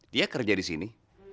dia kerja di sini